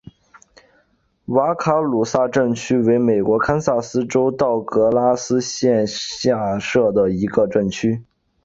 瓦卡鲁萨镇区为美国堪萨斯州道格拉斯县辖下的镇区。